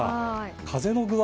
風の具合